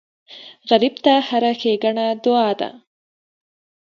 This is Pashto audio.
غریب ته هره ښېګڼه دعا ده